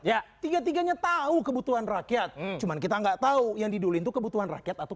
ya tiga tiganya tahu kebutuhan rakyat cuman kita enggak tahu yang diduli itu kebutuhan rakyat atau